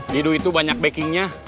lidu itu banyak backingnya